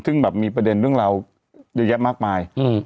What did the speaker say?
ซึ่งแบบมีประเด็นเรื่องราวเยอะแยะมากมาย